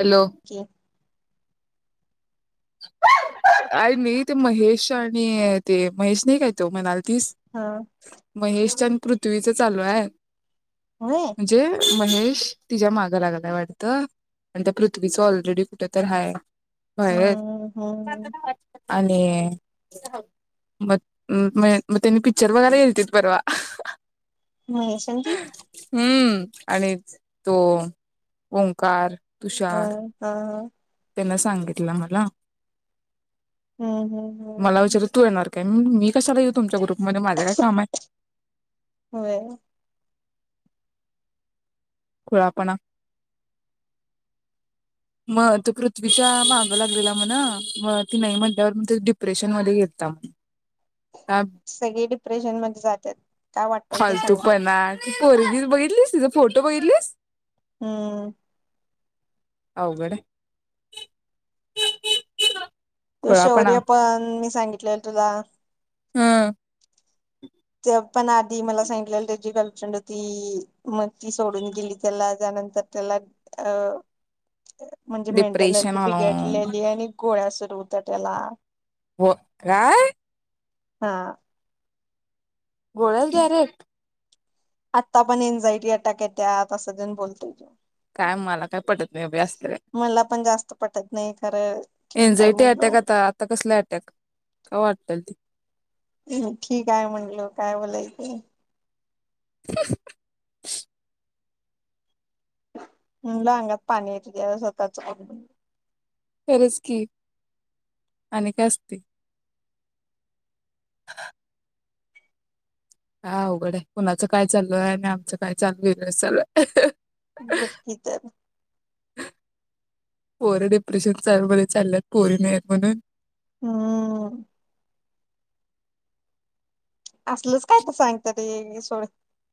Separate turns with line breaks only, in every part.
Hello.
की
आई मी ते महेश आणि ते महेश नाही काय तो म्हनाल तीस
हां
महेशच्यांन कृत्वीच चालू आहे
होय
म्हणजे महेश तिच्या मागं लागालाय वाटत आणि त्या पृथ्वीच ऑलरेडी कुठ तर हाय होय
हा हा
आणि मग म म त्यांनी पिकच्चर बगायला गेलतेत परवा
महेश न ती
हम्म आणि तो ओंकार
हम हा ह
त्यांन सांगितलं मला
हम्म हम्म
मला
हम्म
विचार तू येणार काय? मी कशाला येऊ तुमच्या ग्रूप मध्ये माझं काय काम आहे
होय
खुळापणा म तो कृत्वीच्या माग लागलेला म्हण म ती नाही म्हटल्यावर मग त डिप्रेशन मध्ये गेलता म्ह
सगळे डिप्रेशन मध्ये जात्यात काय वाटतल ते सांगत्यात
फालतूपणा ती पोरगी बघितलीस तिचा फोटो बघितलीस
हम्म
आवगडे
तू शौर्य पण मी सांगितलेल तुला
हम्म
ते पण आधी मला सांगितलेला त्याची गर्लफ्रेंड होती मती सोडून गेली त्याला त्यानंतर त्याला अ म्हणजे मेंटल
डिप्रेशन
हेल्थ
आलं
बिघडलेली आहे आणि गोळ्या सु तर उतटेला
हो काय
हा
गोळल डायरेक्ट
आता पण एनझायटी अटॅक येत्यात असतेन बोलतोय तो
काय मला काय पटत नाही बई असल काय
मला पण जास्त पटत नाही खरं ठीक आहे
एनझायटी
म्हणलो
अटॅक आता आता कसला अटॅक काय वाटतल ते
हम् ठीकय म्हणलो काय बोलायचं
[unintelligible]
म्हणलं अंगात पाणीे तुझ्या स्वतःच
खरच की आणि का असते ह हा अवघड आहे कुणाचं काय चालू आहे आणि आमचं काय चालू आहे इकडे सगळं.
बकी तर-
पोर डिप्रेशन [unintelligible] चालल्यात पोरी नाहीत म्हणून-
हम्- असलच काय तर सांगत ते सोड.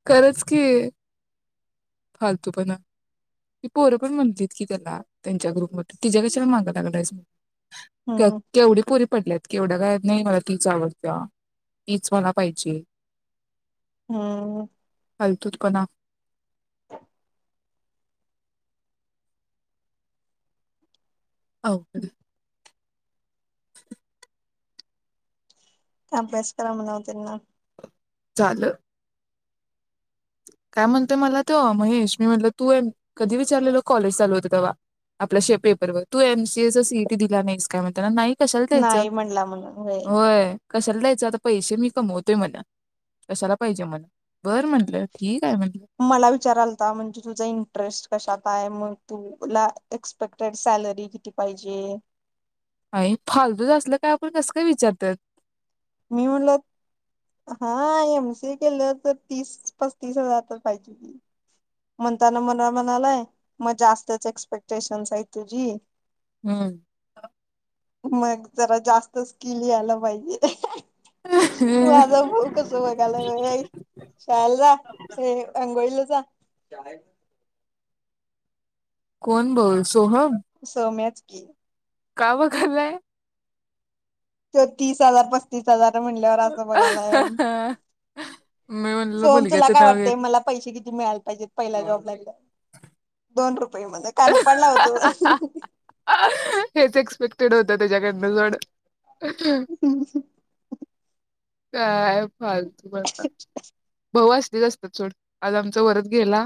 खरच की- फालतूपणा ती पोरं पण म्हणत्यात की त्याला त्यांच्या ग्रुप मधे तिच्या कशाला माग लागलंयस? केव?
हम्म
केवढी पोरी पडल्यायत केवढं काय नाही मला तीच आवडती या. तीच मला पाहिजे.
हम.
फालतूपणा... [unintelligible]
अभ्यास करा म्हणाव त्यांना.
झाल... काय म्हणतोय? मला तो महेश, मी म्हटलं तू कधी विचारलेलो कॉलेज चालू होत तवा आपल्या पेपर व तू एमसीएचा सीईटी दिला नाहीस काय म्हणत ना नाही... कशाला द्यायचं?
नाही म्हणला म्हणून
होय. कशाला द्यायचं? आता पैसे मी कमवतोय म्हणा कशाला पाहिजे म्हणा बरं म्हंटलं- ठीक.
मला विचारालता म्हणजे तुझा इंटरेस्ट कशात? काय मग तुला, एक्सपेक्टेड सॅलरी किती पाहिजे?
आणि फालतूच असलं काय? आपण कसं काय विचारतायत.
मी म्हटलं, हा- एम सी ए केलं तर तीस पस्तीस हजार तर पाहिजेच. म्हणताना मला म्हणालाय म जास्तच एक्सपेक्टेशनस आहे तुझी...
हम्म.
मग जरा जास्त स्किल यायला पाहिजे.
हे
माझा भाऊ कस बघायला [unintelligible] अंघोळीला- जा. काय?
कोण बोल- सोहम?
क
काव खाल्लंय
तर तीस हजार पस्तीस हजार- म्हणल्यावर असं बघायलाये मं -
मी म्हणलं
सोहम तुला
मुलग्याचं
काय
नाव
वाटतय
घेत
मला पैसे किती मिळाय ला पाहिजेत पहिला जॉब लागला- दोन [unintelligible] कानपाड लावतो
हेच एक्सपेक्टेड होत त्याच्याकडन- तलड
हम्म ह
अ फालतू बघ [unintelligible] [unintelligible] सोड आज आमच वरद गेला.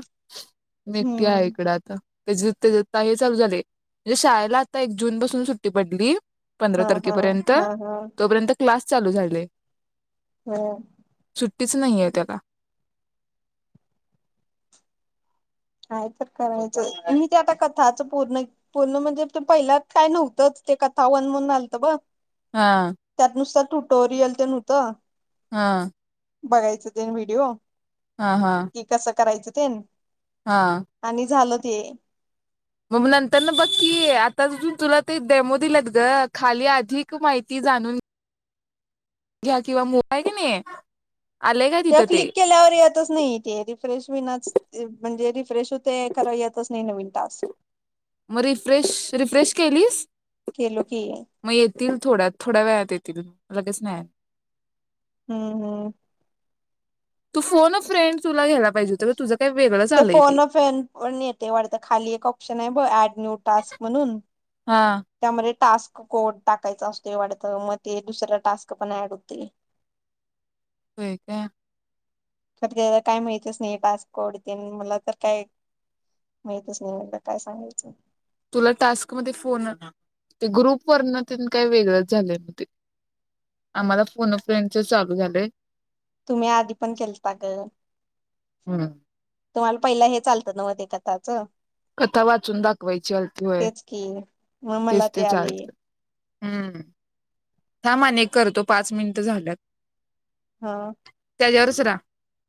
मी [unintelligible] आहे
हम्म
इकडं आता. त्याज [unintelligible] हे चालू झाले म्हणजे, शाळेला आता एक जून पासून सुट्टी पडली. पंधरा
हा हा
तारखेपर्यंत
हा
तोपर्यंत क्लास चालू झाले‌.
हम.
सुट्टीच, नाही ये त्याला.
काय तर करायचं म ते आता कथाचं पूर्ण पूर्ण म्हणजे, पहिल्या काय नव्हतंच, ते कथा वन म्हणून आलत ब.
हा
त्यातनुसता टुटोरियल तेन होतं.
हा
बघायचं तेन व्हिडिओ.
हा हा
कि कसं करायचं? तीन.
हा
आणि झालं. ते.
मग नंतर ना बघकी आ [unintelligible] तुला ते डेमो दिल्यात ग खाली अधिक माहिती जाणून घ्या किंवा मोबा आहे क नाही. आलंय का
ते
तिथं
क्लिक केल्यावर येतच नाही ते. फ्रेश हुईनाच म्हणजे, रिफ्रेश होते करा येतच नाही, नवीन तास.
म रिफ्रेश रिफ्रेश केलीस,
केलो की
म येतील थोड्यात थोड्या वेळात येतील. लगेच नाही.
हम्म हम्म.
तू फोन फ्रेंड तुला घ्याला पाहिजे होत तुझ
ते फोन [unintelligible] पण येते वाढत, खाली एक ऑप्शन आहे ब ऍड नो टास्क म्हणून,
हा
त्यामध्ये टास्क कोड टाकायचा असतो वाढतं, म ते दुसऱ टास्क पण ऍड होतंय.
वय काय.
तर त्याला काय माहितच नाही, टास कोड मला तर काय माहितच नाही, म्हणलं काय सांगायचं.
तुला टास्क म फोन ना, ते ग्रुप वरन काही वेगळंच झालंय ते आम्हाला फोन फ्रेंच चालू झालंय.
तुम्ही आधी पण केलता ग तुम्हाला पहिलं हेच आलतं नवत त्याच.
कथा वाचून दाखवायची आलती, होय
तेच की मग मला
तेच ते चाल
आले
हम्म, थांम आणि एक करतो पाच मिनिट झाल्यात.
हा.
त्याच्यावरच राहा.